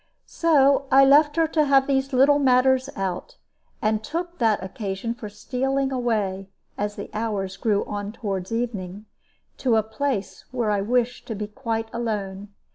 So I left her to have these little matters out, and took that occasion for stealing away (as the hours grew on toward evening) to a place where I wished to be quite alone.